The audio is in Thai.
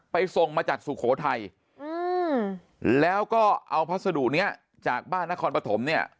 ส่งมาจากสุโขทัยอืมแล้วก็เอาพัสดุเนี้ยจากบ้านนครปฐมเนี่ย